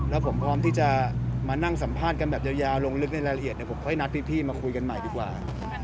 แล้วผมพร้อมที่จะมานั่งสัมภาษณ์กันแบบยาวลงลึกในรายละเอียดเดี๋ยวผมค่อยนัดพี่มาคุยกันใหม่ดีกว่า